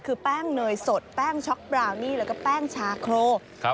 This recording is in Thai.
คือแป้งเนยสดแป้งช็อกบราวนี่แล้วก็แป้งชาโครครับ